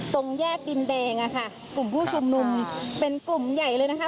ตรงแยกดินแดงอะค่ะกลุ่มผู้ชุมนุมเป็นกลุ่มใหญ่เลยนะคะ